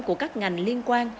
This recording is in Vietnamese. của các ngành liên quan